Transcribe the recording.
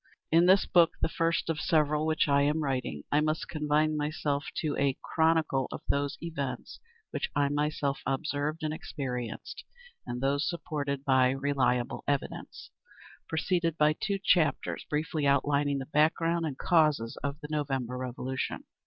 In this book, the first of several which I am writing, I must confine myself to a chronicle of those events which I myself observed and experienced, and those supported by reliable evidence; preceded by two chapters briefly outlining the background and causes of the November Revolution.